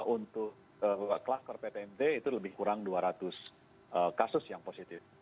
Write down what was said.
untuk kluster ptmt itu lebih kurang dua ratus kasus yang positif